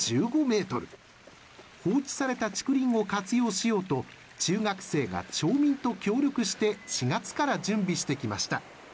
放置された竹林を活用しようと中学生が町民と協力して、４月から準備してきました。